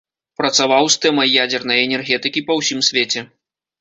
Працаваў з тэмай ядзернай энергетыкі па ўсім свеце.